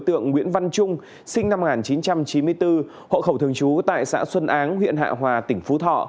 tượng nguyễn văn trung sinh năm một nghìn chín trăm chín mươi bốn hộ khẩu thường trú tại xã xuân áng huyện hạ hòa tỉnh phú thọ